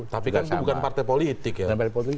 tapi kan itu bukan partai politik ya